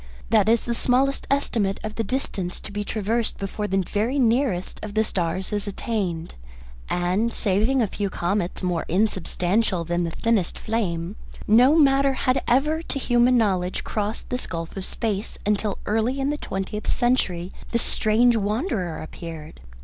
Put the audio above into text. That is the smallest estimate of the distance to be traversed before the very nearest of the stars is attained. And, saving a few comets more unsubstantial than the thinnest flame, no matter had ever to human knowledge crossed this gulf of space until early in the twentieth century this strange wanderer appeared.